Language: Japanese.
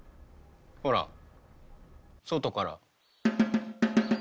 ほら外から。